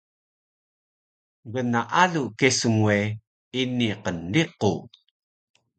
Gnaalu kesun we ini qnriqu